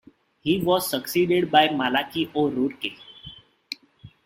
He was succeeded by Malachy O'Rourke.